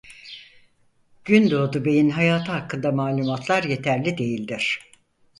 Gündoğdu Bey'in hayatı hakkında malumatlar yeterli değildir.